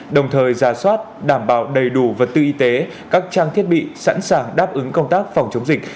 đồng thời ra soát đảm bảo đầy đủ vật tư y tế các trang thiết bị sẵn sàng đáp ứng công tác phòng chống dịch